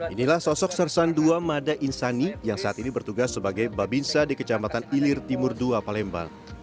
inilah sosok sersan ii mada insani yang saat ini bertugas sebagai babinsa di kecamatan ilir timur dua palembang